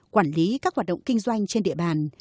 quản lý các hoạt động kinh doanh trên địa bàn